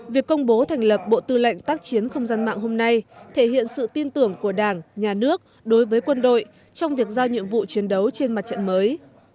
việc công bố thành lập bộ tư lệnh tác chiến không gian mạng hôm nay thể hiện sự tin tưởng của đảng nhà nước đối với quân đội trong việc giao nhiệm vụ chiến đấu trên mặt trận mới